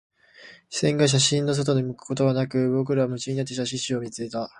視線が写真集の外に向くことはなく、僕らは夢中になって写真集を見た